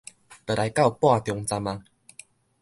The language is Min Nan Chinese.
都來到半中站矣